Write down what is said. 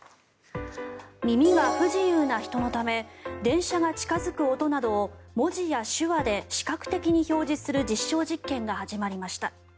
耳が不自由な人のため電車が近付く音などを文字や手話で視覚的に表示する実証実験が始まりました。